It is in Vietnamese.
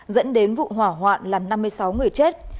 dẫn đến vụ hỏa hoạn làm năm mươi sáu người chết